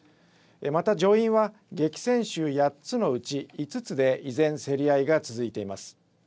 また上院は激戦州８つのうち５つで依然、競り合いが続いています。